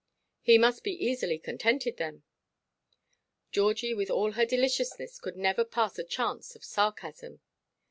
"He must be easily contented, then." Georgie, with all her deliciousness, could never pass a chance of sarcasm.